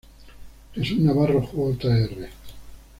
Jesús Navarro Jr.